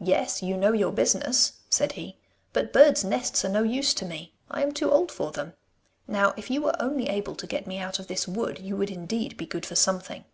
'Yes; you know your business,' said he, 'but birds' nests are no use to me. I am too old for them. Now if you were only able to get me out of this wood, you would indeed be good for something.